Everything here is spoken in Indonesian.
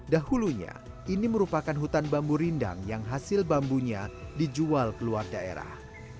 dahulunya ini merupakan hutan bambu rindang yang hasil bambunya dijual ke luar daerah